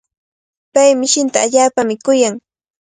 Pay mishinta allaapami kuyan.